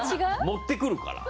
持ってくるから。